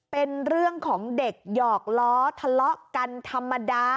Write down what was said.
เป็นเรื่องของเด็กหยอกล้อทะเลาะกันธรรมดา